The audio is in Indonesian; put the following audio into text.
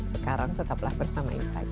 sekarang tetaplah bersama insight